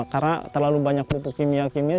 karena terlalu banyak lupuk kimia kimia